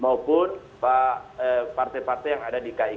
maupun pak partai partai yang ada di kik